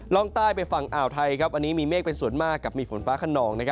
ร่องใต้ไปฝั่งอ่าวไทยอันนี้มีเมฆเป็นส่วนมากกับมีฝนฟ้าขนอง